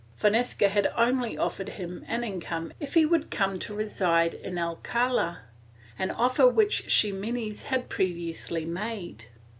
Fonseca had only offered him an income if he would come to reside at Alcald, an offer which Ximenes had previously made.